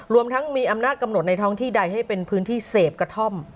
รวมทั้งมีอำนาจกำหนดในท้องที่ใดให้เป็นพื้นที่เสพกระท่อม